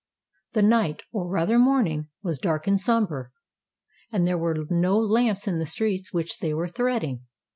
The night—or rather morning, was dark and sombre, and there were no lamps in the streets which they were threading.